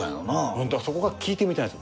ホントそこが聞いてみたいです